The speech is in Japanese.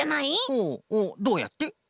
ほうどうやって？